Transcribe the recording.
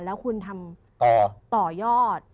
แล้วคุณทำต่อยอด